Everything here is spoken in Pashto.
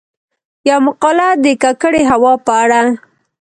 يومـقاله د کـکړې هـوا په اړه :